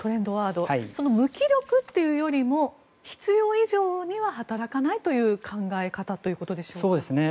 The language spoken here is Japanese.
その無気力というより必要以上には働かないという考え方ということでしょうか？